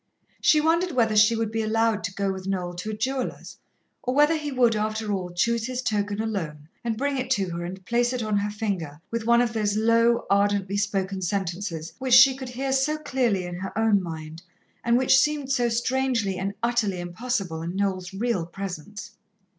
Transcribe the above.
She wondered whether she would be allowed to go with Noel to a jeweller's, or whether he would, after all, choose his token alone, and bring it to her, and place it on her finger with one of those low, ardently spoken sentences which she could hear so clearly in her own mind, and which seemed so strangely and utterly impossible in Noel's real presence.